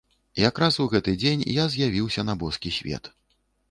Якраз у гэты дзень я з'явіўся на боскі свет.